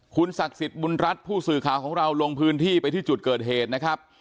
คุณศักดิ์สิทธิ์บุญรัฐผู้สื่อข่าวของเราลงพื้นที่ไปที่จุดเกิดเหตุนะครับ